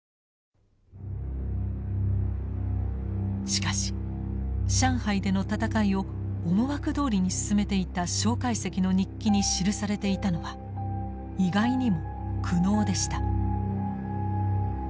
しかし上海での戦いを思惑どおりに進めていた介石の日記に記されていたのは意外にも苦悩でした。